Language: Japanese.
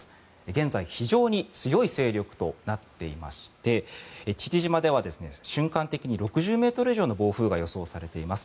現在、非常に強い勢力となっていまして父島では瞬間的に６０ｍ以上の暴風が予想されています。